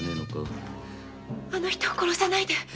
あの人を殺さないで！